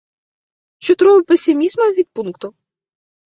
Ĉu tro pesimisma vidpunkto?